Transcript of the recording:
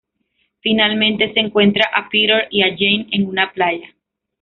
Finalmente se encuentra a Peter y a Jane en una playa.